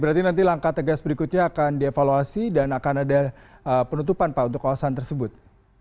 berarti nanti langkah tegas berikutnya akan dievaluasi dan akan ada penutupan pak untuk kawasan tersebut